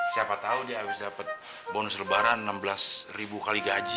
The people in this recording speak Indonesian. siapa tahu dia bisa dapat bonus lebaran enam belas ribu kali gaji